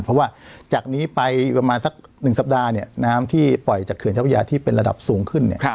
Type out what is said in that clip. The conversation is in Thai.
เพราะว่าจากนี้ไปประมาณสักหนึ่งสัปดาห์เนี่ยน้ำที่ปล่อยจากเขื่อนเฉพาะยาที่เป็นระดับสูงขึ้นเนี่ย